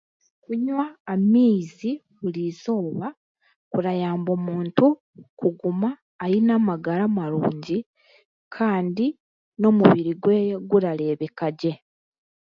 Okunywa amaizi buri eizooba kurayamba omuntu kuguma aine amagara marungi kandi n'omubiri gweye gurareebeka gye